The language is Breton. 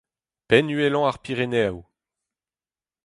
Penn uhelañ ar Pireneoù.